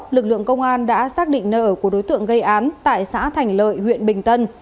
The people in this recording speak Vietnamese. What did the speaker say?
lực lượng công an đã xác định nơi ở của đối tượng gây án tại xã thành lợi huyện bình tân